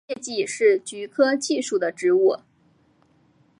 线叶蓟是菊科蓟属的植物。